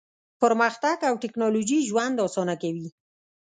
پرمختګ او ټیکنالوژي ژوند اسانه کوي.